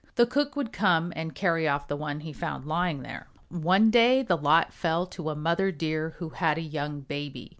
The cook would come and carry off the one he found lying there. One day the lot fell to a mother Deer who had a young baby.